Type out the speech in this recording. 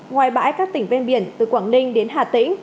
ngoài bãi các tỉnh ven biển từ quảng ninh đến hà tĩnh